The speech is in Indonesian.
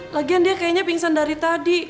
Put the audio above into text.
lagian dia kayaknya pingsan dari tadi